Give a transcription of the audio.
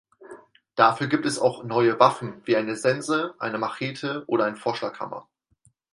Dafür gibt es auch neue Waffen wie eine Sense, eine Machete oder einen Vorschlaghammer.